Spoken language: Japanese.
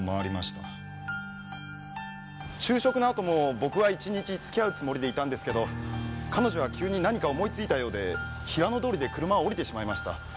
昼食のあとも僕は一日付き合うつもりでいたんですけど彼女は急に何か思いついたようで平野通りで車を降りてしまいました。